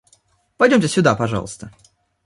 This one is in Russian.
Пойдемте сюда, пожалуйста.